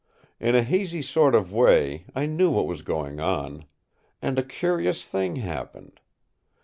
In a hazy sort of way I knew what was going on. And a curious thing happened.